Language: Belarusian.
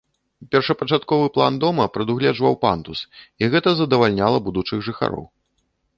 Першапачатковы план дома прадугледжваў пандус, і гэта задавальняла будучых жыхароў.